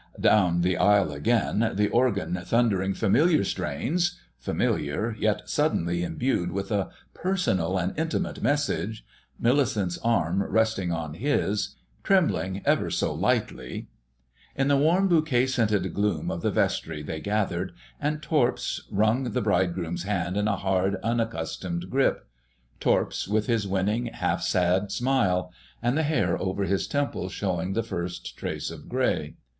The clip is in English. Down the aisle again, the organ thundering familiar strains—familiar, yet suddenly imbued with a personal and intimate message,—Millicent's arm resting on his, trembling ever so lightly.... In the warm, bouquet scented gloom of the vestry they gathered, and Torps wrung the Bridegroom's hand in a hard, unaccustomed grip—Torps with his winning, half sad smile, and the hair over his temples showing the first trace of grey....